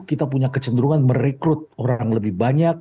kita punya kecenderungan merekrut orang lebih banyak